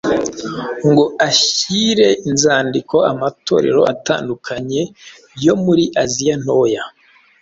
ngo ashyire inzandiko amatorero atandukanye yo muri Aziya ntoya,